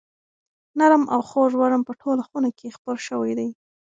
نرم او خوږ وږم په ټوله خونه کې خپور شوی دی.